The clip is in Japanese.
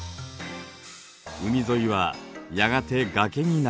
海沿いはやがて崖になります。